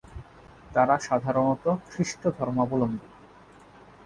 তারা সাধারণত খ্রিস্ট ধর্মাবলম্বী।